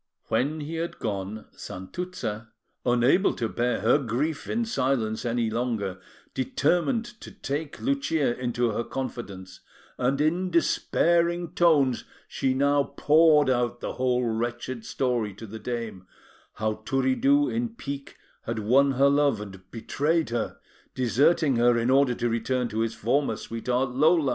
When he had gone, Santuzza, unable to bear her grief in silence any longer, determined to take Lucia into her confidence; and, in despairing tones, she now poured out the whole wretched story to the dame how Turiddu, in pique, had won her love and betrayed her, deserting her in order to return to his former sweetheart, Lola.